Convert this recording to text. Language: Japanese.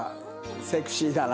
セクシーだな。